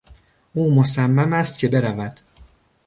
او مصمم است که برود.